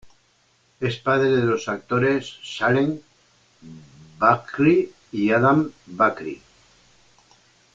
Es padre de los actores Saleh Bakri y Adam Bakri.